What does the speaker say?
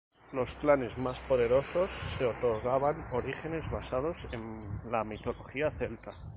Los clanes más poderosos se otorgaban orígenes basados en la mitología celta.